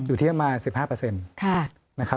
อยู่ที่จะมา๑๕